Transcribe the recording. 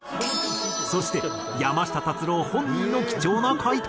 そして山下達郎本人の貴重な回答が。